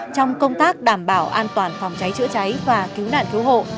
trong công tác đảm bảo an toàn phòng cháy chữa cháy và cứu nạn cứu hộ